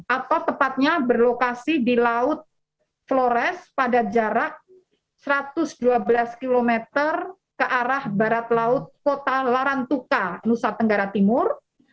atau tepatnya berlokasi di laut flores pada jarak satu ratus dua belas km ke arah barat laut kota larantuka nusa tenggara timur